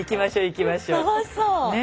楽しそう。ね。